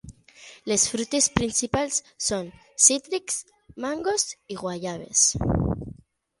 Les fruites principals són cítrics, mangos i guaiabes.